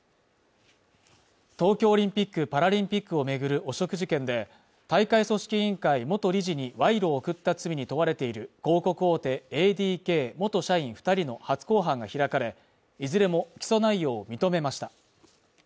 東京オリンピックパラリンピックを巡る汚職事件で、大会組織委員会元理事に賄賂を贈った罪に問われている広告大手ＡＤＫ元社員２人の初公判が開かれ、いずれも起訴内容を認めました。